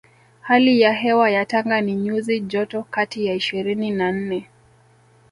Hali ya hewa ya Tanga ni nyuzi joto kati ya ishirini na nne